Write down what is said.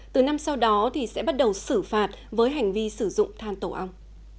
từ năm sau đó sẽ bắt đầu xử phạt với hành vi sử dụng than tổ ong